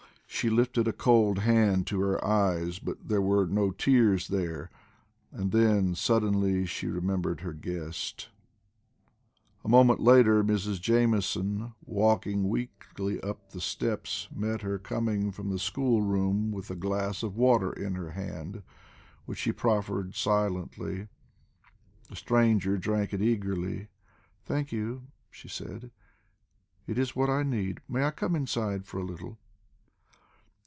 She lifted a cold hand to her eyes, but there were no tears there; and then suddenly she remembered her guest. A moment later, Mrs. Jamieson, walking weakly up the steps, met her coming from the school room with a glass of water in her hand, which she proffered silently. The stranger drank it eagerly. "Thank you," she said. "It is what I need. May I come inside for a little?"